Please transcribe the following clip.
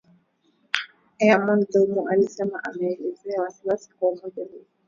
Eamon Gilmore alisema ameelezea wasi-wasi wa umoja huo